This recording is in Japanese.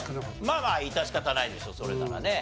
まあまあ致し方ないでしょうそれならね。